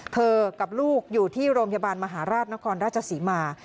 กับลูกอยู่ที่โรงพยาบาลมหาราชนครราชศรีมา